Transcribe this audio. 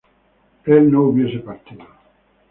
él no hubiese partido